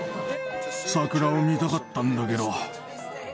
桜を見たかったんだけど。